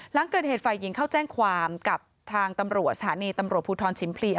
หลังเกิดเหตุฝ่ายหญิงเข้าแจ้งความกับทางตำรวจสถานีตำรวจภูทรชิมพลี